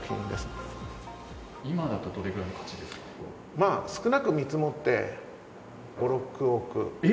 まあ少なく見積もって。